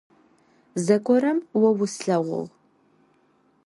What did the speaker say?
Зэгорэм о услъэгъугъ.